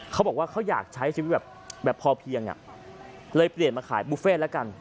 เขาบอกว่าเขาอยากใช้ชีวิตแบบพอเพียงเลยเปลี่ยนมาขายบุฟเฟ่แล้วกัน